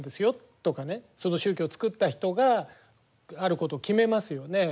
その宗教を作った人があることを決めますよね。